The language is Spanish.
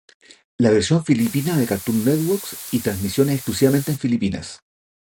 La versión filipina de Cartoon Network y transmisiones exclusivamente en Filipinas.